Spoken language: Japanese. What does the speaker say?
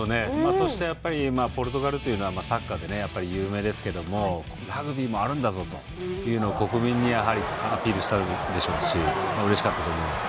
そして、ポルトガルというのはサッカーで有名ですけれどもラグビーもあるんだぞというのを国民にアピールしたでしょうしうれしかったと思います。